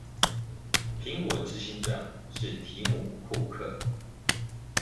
蘋果執行長是提姆庫克